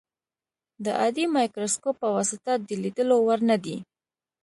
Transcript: د عادي مایکروسکوپ په واسطه د لیدلو وړ نه دي.